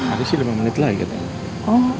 habis lima menit lagi kita